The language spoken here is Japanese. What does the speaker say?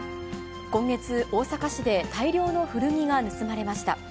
今月、大阪市で大量の古着が盗まれました。